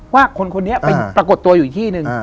ว่าคนนี้ไปปรากฏตัวอยู่อีกที่หนึ่ง